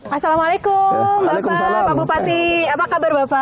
assalamualaikum bapak pak bupati apa kabar bapak